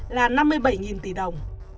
là năm mươi bảy tỷ đồng